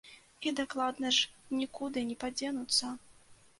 І дакладна ж, нікуды не падзенуцца.